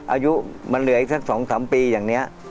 อายุมันเหลืออีกสัก๒๓ปีอย่างนี้